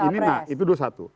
ya ini nah itu dulu satu